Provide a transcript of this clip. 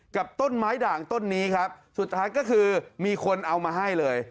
กับต้นไม้ด่างต้นนี้ครับสุดท้ายก็คือมีคนเอามาให้เลย